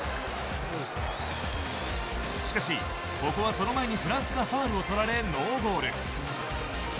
しかし、ここはその前にフランスがファウルを取られノーゴール。